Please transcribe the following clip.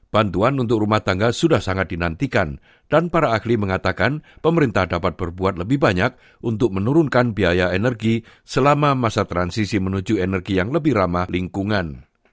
bantuan untuk rumah tangga sudah sangat dinantikan dan para ahli mengatakan pemerintah dapat berbuat lebih banyak untuk menurunkan biaya energi selama masa transisi menuju energi yang lebih ramah lingkungan